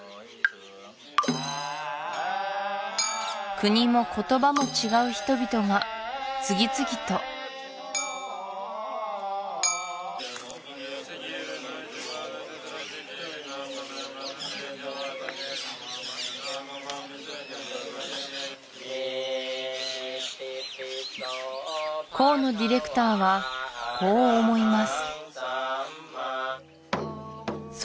国も言葉も違う人々が次々と河野ディレクターはこう思います